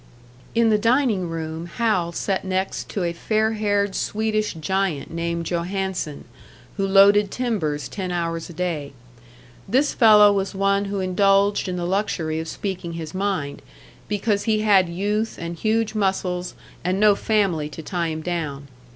In the dining room Hal sat next to a fair haired Swedish giant named Johannson, who loaded timbers ten hours a day. This fellow was one who indulged in the luxury of speaking his mind, because he had youth and huge muscles, and no family to tie him down.